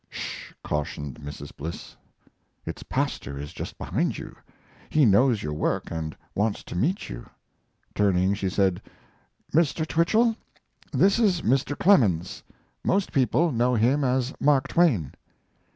"Sh," cautioned Mrs. Bliss. "Its pastor is just behind you. He knows your work and wants to meet you." Turning, she said: "Mr. Twichell, this is Mr. Clemens. Most people know him as Mark Twain."